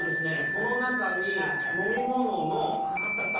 この中に飲み物のあああったあった。